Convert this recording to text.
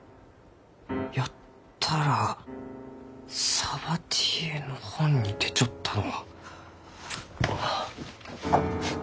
やったらサバティエの本に出ちょったのう。